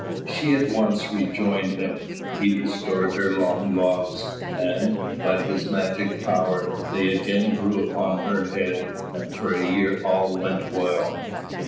She at once rejoined him; he restored her long locks, and, by his magic power, they again grew upon her head and for a year all went well.